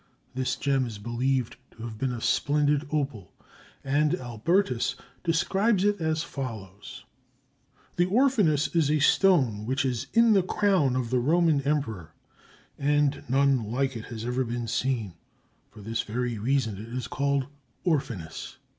This gem is believed to have been a splendid opal, and Albertus describes it as follows: The orphanus is a stone which is in the crown of the Roman Emperor, and none like it has ever been seen; for this very reason it is called orphanus.